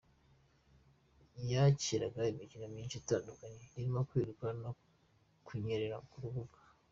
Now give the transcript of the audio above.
Yakiraga imikino myinshi itandukanye irimo kwiruka no kunyerera ku rubura.